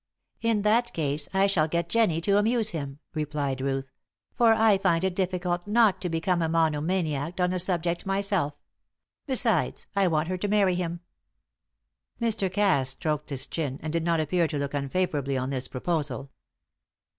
"In that case I shall get Jennie to amuse him," replied Ruth "for I find it difficult not to become a monomaniac on the subject myself. Besides, I want her to marry him." Mr. Cass stroked his chin and did not appear to look unfavourably on this proposal.